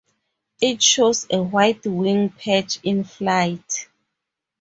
It shows a white wing patch in flight.